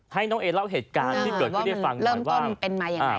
ให้น้องเอเล่าเหตุการณ์ที่เกิดขึ้นได้ฟังหน่อยว่า